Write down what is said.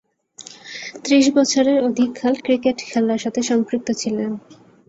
ত্রিশ বছরের অধিককাল ক্রিকেট খেলার সাথে সম্পৃক্ত ছিলেন।